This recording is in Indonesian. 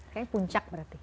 kayaknya puncak berarti